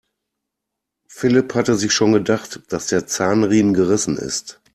Philipp hatte sich schon gedacht, dass der Zahnriemen gerissen ist.